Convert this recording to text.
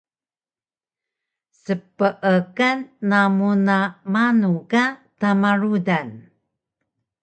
Speekan namu na manu ka tama rudan?